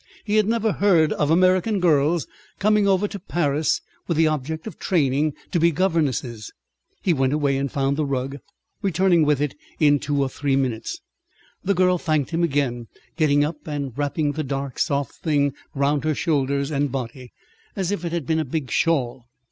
He had never heard of American girls coming over to Paris with the object of training to be governesses. He went away and found the rug, returning with it in two or three minutes. The girl thanked him again, getting up and wrapping the dark soft thing round her shoulders and body, as if it had been a big shawl.